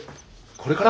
これから？